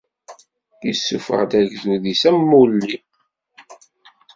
Issufeɣ-d agdud-is am wulli.